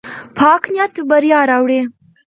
پاک نیت بریا راوړي.